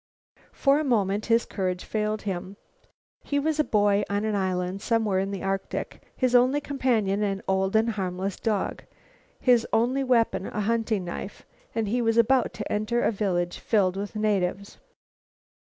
For a moment his courage failed him. He was a boy on an island somewhere in the Arctic, his only companion an old and harmless dog, his only weapon a hunting knife; and he was about to enter a village filled with natives.